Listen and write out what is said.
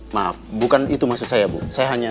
maaf bukan itu maksud saya bu saya hanya